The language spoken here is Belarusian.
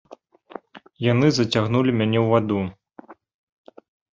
Яны зацягнулі мяне ў ваду.